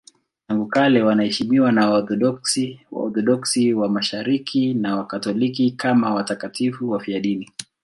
Tangu kale wanaheshimiwa na Waorthodoksi, Waorthodoksi wa Mashariki na Wakatoliki kama watakatifu wafiadini.